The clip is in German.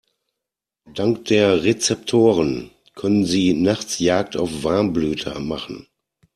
Dank der Rezeptoren können sie nachts Jagd auf Warmblüter machen.